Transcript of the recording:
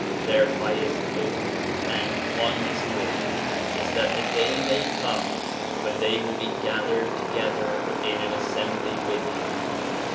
Their highest hope and fondest wish is that the day may come when they will be gathered together in an assembly with you.